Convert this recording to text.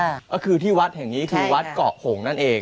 ก็คือที่วัดแห่งนี้คือวัดเกาะหงนั่นเอง